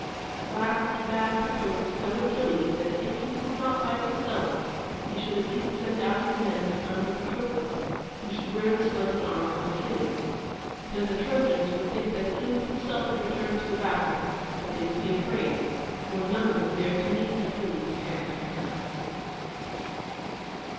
At last he bade Patroclus tell Achilles that, if he would not fight himself, he should at least send out his men under Patroclus, who should wear the splendid armour of Achilles. Then the Trojans would think that Achilles himself had returned to the battle, and they would be afraid, for none of them dared to meet Achilles hand to hand.